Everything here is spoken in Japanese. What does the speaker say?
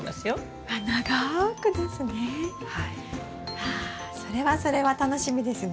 わそれはそれは楽しみですね。